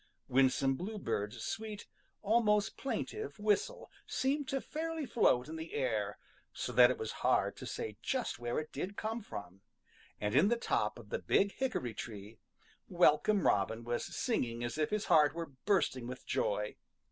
Winsome Bluebird's sweet, almost plaintive, whistle seemed to fairly float in the air, so that it was hard to say just where it did come from, and in the top of the Big Hickory tree, Welcome Robin was singing as if his heart were bursting with joy.